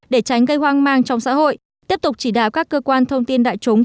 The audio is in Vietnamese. để tránh gây hoang mang trong xã hội tiếp tục chỉ đạo các cơ quan thông tin đại chúng